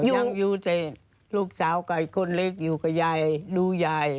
ยังอยู่แต่ลูกสาวกับคนเล็กอยู่กับยายรู้ยาย